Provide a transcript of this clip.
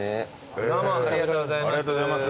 ありがとうございます。